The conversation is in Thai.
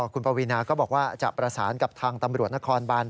คุณปวีนาก็บอกว่าจะประสานกับทางตำรวจนครบาน